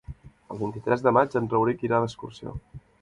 El vint-i-tres de maig en Rauric irà d'excursió.